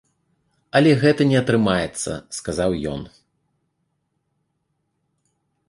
Але гэта не атрымаецца, сказаў ён.